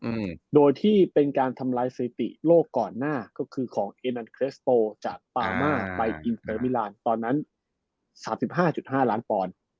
อืมโดยที่เป็นการทำลายสถิติโลกก่อนหน้าก็คือของจากอ่าไปตอนนั้นสามสิบห้าจุดห้าร้านปอนด์